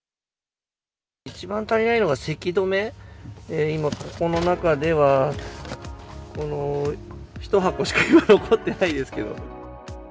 一番足りないのがせき止め、今、この中ではこの１箱しか、今、残ってないですけど。